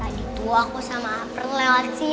tadi tuh aku sama april lewat sini